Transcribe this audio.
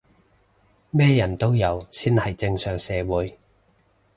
咩人都有先係正常社會